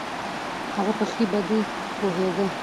هغه په ښې بدې پوهېده.